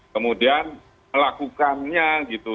kemudian melakukannya gitu